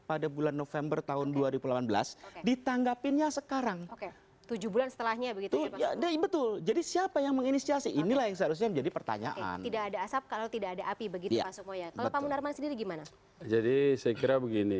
ada apa yang diperlukan